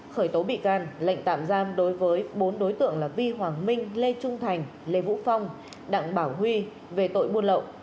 khởi tố bị can lệnh tạm giam đối với bốn đối tượng là vi hoàng minh lê trung thành lê vũ phong đặng bảo huy về tội buôn lậu